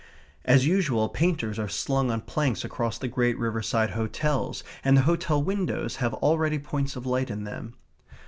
As usual, painters are slung on planks across the great riverside hotels, and the hotel windows have already points of light in them.